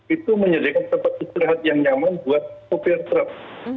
itu menyediakan tempat istirahat yang nyaman buat sopir truk